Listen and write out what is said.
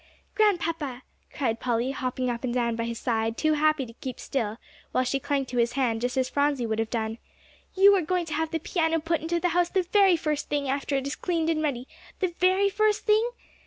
"Grandpapa," cried Polly, hopping up and down by his side, too happy to keep still, while she clung to his hand just as Phronsie would have done, "you are going to have the piano put into the house the very first thing after it is cleaned and ready the very first thing?"